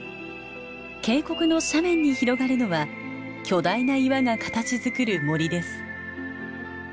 渓谷の斜面に広がるのは巨大な岩が形づくる森です。